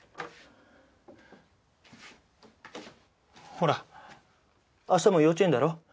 ほら明日も幼稚園だろ。